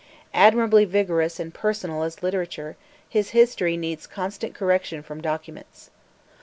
Admirably vigorous and personal as literature, his History needs constant correction from documents.